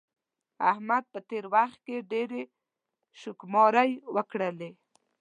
احمد په تېر وخت کې ډېرې شوکماری وکړلې.